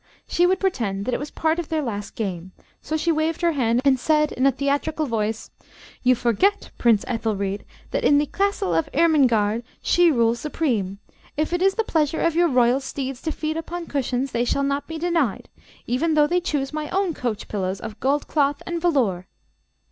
She would pretend that it was a part of their last game; so she waved her hand, and said, in a theatrical voice, "You forget, Prince Ethelried, that in the castle of Irmingarde she rules supreme. If it is the pleasure of your royal steeds to feed upon cushions they shall not be denied, even though they choose my own coach pillows, of gold cloth and velour."